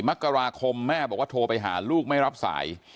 มกราคมแม่บอกว่าโทรไปหาลูกไม่รับสาย